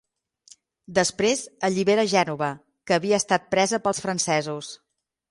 Després allibera Gènova, que havia estat presa pels francesos.